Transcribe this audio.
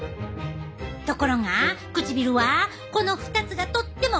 ところが唇はこの２つがとっても薄い！